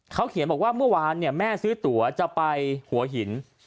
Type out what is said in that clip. เขาเขียนบอกว่าเมื่อวานแม่ซื้อตั๋วจะไปหัวหิน